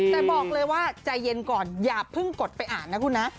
แต่บอกเลยว่าใจเย็นก่อนอย่าเพิ่งกดไปอ่านนะคุณนะ